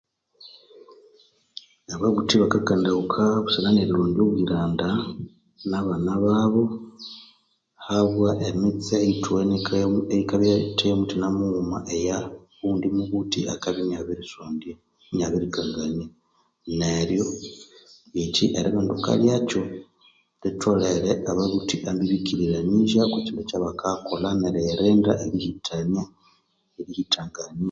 Ababuthi bakakandaghuka busana nerirondya obwiranda nabana babo habwa emitse eyithuwene eyikabya yithe ya muthina mughuma eya owundi mubuthi akabya inabirisondya inabirikangania neryo ekyi eribinduka lyakyo litholere ababuthi ambi ibikiriranizia okwa kyindu ekyabakayakolha eriyirinda erithendihithania erithendihithangania.